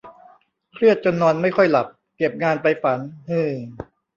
เครียดจนนอนไม่ค่อยหลับ เก็บงานไปฝัน ฮือ